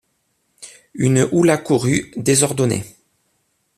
Une houle accourut, désordonnée.